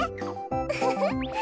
ウフフ。